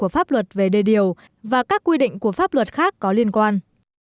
pháp luật về đê điều và các quy định của pháp luật khác có liên quan